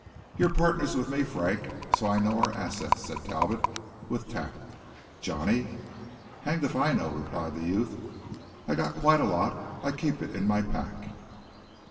"You're partners with me, Frank, so I know our assets," said Talbot with tact. "Johnny?" "Hanged if I know," replied that youth. "I've got quite a lot. I keep it in my pack."